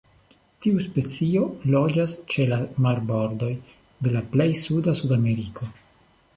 Tiu specio loĝas ĉe la marbordoj de plej suda Sudameriko.